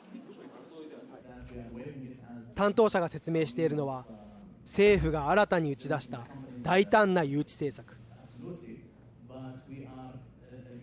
担当者が説明しているのは政府が新たに打ち出した大胆な誘致政策。